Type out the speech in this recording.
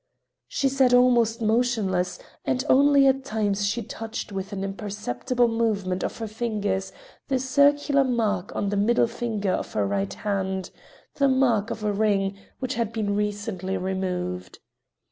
She sat almost motionless, and only at times she touched with an imperceptible movement of her fingers the circular mark on the middle finger of her right hand, the mark of a ring which had been recently removed.